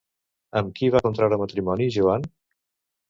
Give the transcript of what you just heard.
Amb qui va contraure matrimoni Joan?